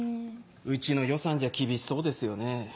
うちの予算じゃ厳しそうですよね。